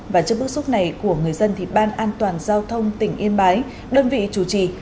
và trước bước xúc này của người dân thì ban an toàn giao thông tỉnh yên bái